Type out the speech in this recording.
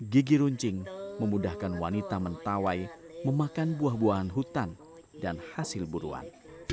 gigi runcing memudahkan wanita mentawai memakan buah buahan hutan dan hasil buruan